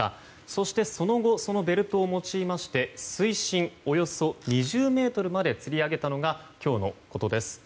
そして、その後そのベルトを用いまして水深およそ２０ｍまでつり上げたのが今日のことです。